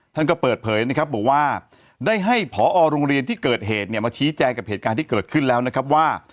ท่านก็เปิดเผยนะครับบอกว่าได้ให้ผอโรงเรียนที่เกิดเหตุเนี่ยมาชี้แจงกับเหตุการณ์ที่เกิดขึ้นแล้วนะครับว่า